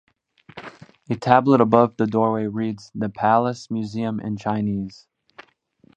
A tablet above the doorway reads "The Palace Museum" in Chinese.